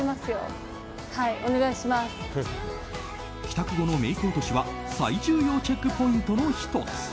帰宅後のメイク落としは最重要チェックポイントの１つ。